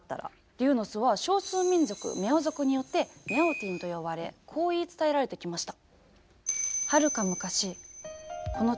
「龍の巣」は少数民族ミャオ族によって「ミャオティン」と呼ばれこう言い伝えられてきました。